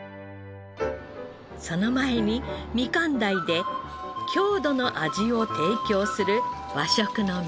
その前にみかん鯛で郷土の味を提供する和食の名店から。